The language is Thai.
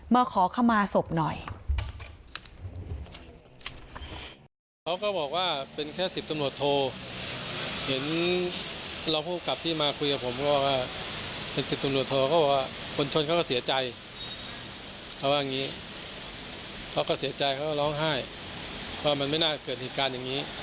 มาขอขมาศพหน่อย